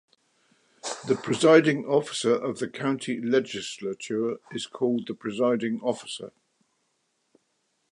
The presiding officer of the county legislature is called the Presiding Officer.